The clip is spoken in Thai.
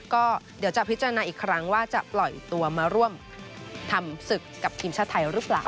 ก็เดี๋ยวจะพิจารณาอีกครั้งว่าจะปล่อยตัวมาร่วมทำศึกกับทีมชาติไทยหรือเปล่า